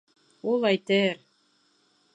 Ул әйтер!